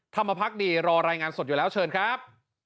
ธรรมพักดีรอรายงานสดอยู่แล้วเชิญครับ